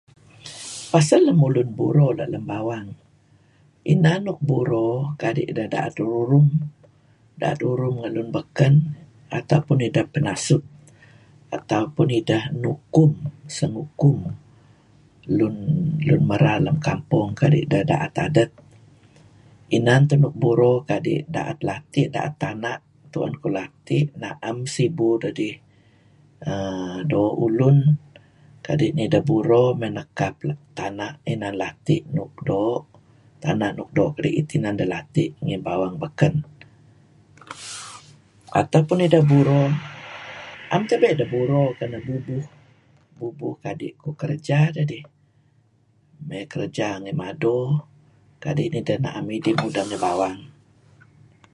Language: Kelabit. Pasel lemulun buro let lem bawang, inan nuk buro kadi' deh da'et rurum, da'et rurum ngen lun beken, atau pun ideh pinasut atau pun ideh nukum, sengukum lun merar lem kampong kadi' ideh da'et adet , Inan teh nuk buro kadi' da'et lati', da'et tana' tu'en kuh lati', na'em sibu dedih err doo' ulun kadi' nideh buro mey nekap tana' inan lati' nuk doo' tana' nuk doo' kedi'it inan deh lati' ngi bawang beken. Atau pun ideh buro, 'am tebe' ideh buro, bubuh, bubuh kadi' kerja dedih, mey kerja ngi mado kadi' neh ideh na'em idih mudeng ngi bawang.